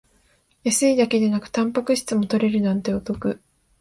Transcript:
安いだけでなくタンパク質も取れるなんてお得